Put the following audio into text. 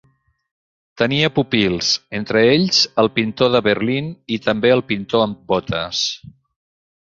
Tenia pupils, entre ells el pintor de Berlín i també el pintor amb botes.